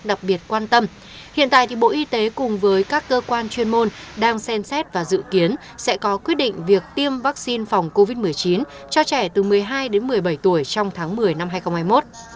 đặc biệt quan tâm hiện tại bộ y tế cùng với các cơ quan chuyên môn đang xem xét và dự kiến sẽ có quyết định việc tiêm vaccine phòng covid một mươi chín cho trẻ từ một mươi hai đến một mươi bảy tuổi trong tháng một mươi năm hai nghìn hai mươi một